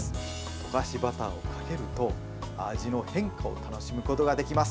溶かしバターをかけると味の変化を楽しむことができます。